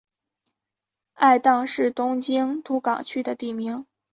爱宕是东京都港区的地名。